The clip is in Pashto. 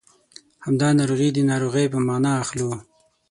همدا ناروغي د ناروغۍ په مانا اخلو.